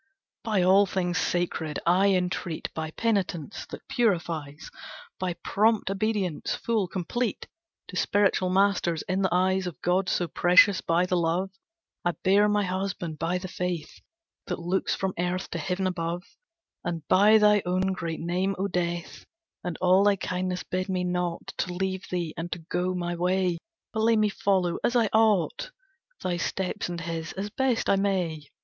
"By all things sacred, I entreat, By Penitence that purifies, By prompt Obedience, full, complete, To spiritual masters, in the eyes Of gods so precious, by the love I bear my husband, by the faith That looks from earth to heaven above, And by thy own great name O Death, And all thy kindness, bid me not To leave thee, and to go my way, But let me follow as I ought Thy steps and his, as best I may.